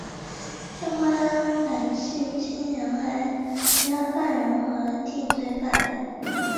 瓦拉市是瑞典西部西约塔兰省的一个自治市。